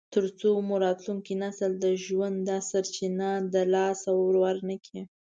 تر څو مو راتلونکی نسل د ژوند دا سرچینه د لاسه ورنکړي.